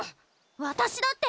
私だって。